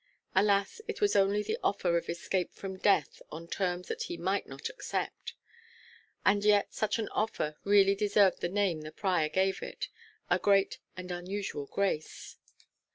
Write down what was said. Alas! it was only the offer of escape from death on terms that he might not accept. And yet such an offer really deserved the name the prior gave it a great and unusual grace.